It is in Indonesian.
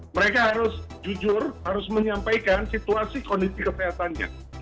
mereka harus jujur harus menyampaikan situasi kondisi kesehatannya